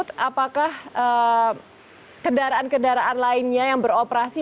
yang sudah melewati seperti